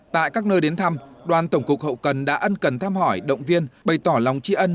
tại các nơi đến thăm đoàn tổng cục hậu cần đã ân cần thăm hỏi động viên bày tỏ lòng tri ân